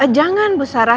jangan bu sarah